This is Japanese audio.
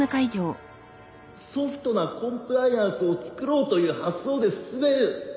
ソフトなコンプライアンスをつくろうという発想で進める。